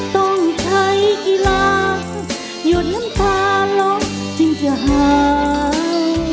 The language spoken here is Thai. ต้องใช้กีฬาหยดน้ำตาลมจึงจะหาย